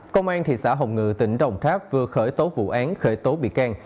công an thị xã hồng ngự tỉnh đồng tháp vừa khởi tố vụ án khởi tố bị can